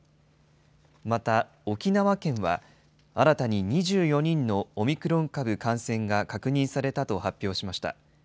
また、沖縄県は、新たに２４人のオミクロン株感染が確認されたと発表しました。